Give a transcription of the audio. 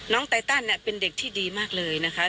น้องไต้ตันเนี่ยเป็นเด็กที่ดีมากเลยนะคะ